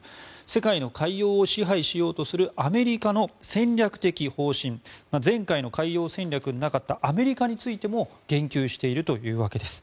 世界の海洋を支配しようとするアメリカの戦略的方針前回の海洋戦略になかったアメリカについても言及しているというわけです。